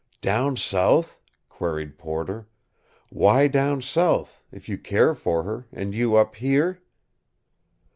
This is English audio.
"Down south?" queried Porter. "Why down south if you care for her and you up here?"